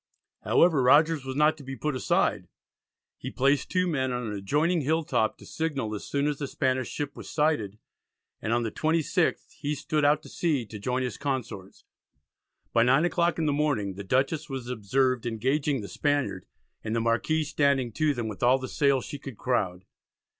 However, Rogers was not to be put aside. He placed two men on an adjoining hilltop to signal as soon as the Spanish ship was sighted, and on the 26th he stood out to sea to join his consorts. By 9 o'clock in the morning the Dutchess was observed engaging the Spaniard, and the Marquis "standing to them with all the sail she could crowd."